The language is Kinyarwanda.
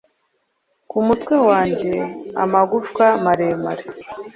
Ku mutwe wanjye, amagufwa maremare